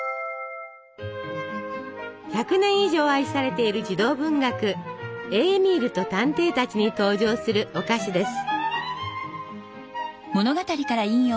１００年以上愛されている児童文学「エーミールと探偵たち」に登場するお菓子です。